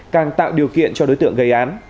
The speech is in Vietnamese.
càng tạo điều kiện cho đối tượng gây án